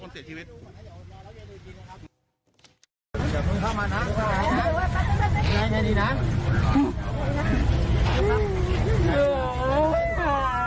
ใจเย็นท่านพวก